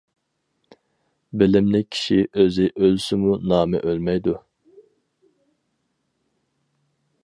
بىلىملىك كىشى ئۆزى ئۆلسىمۇ نامى ئۆلمەيدۇ.